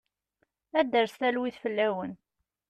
Ad d-tres talwit fell-awen.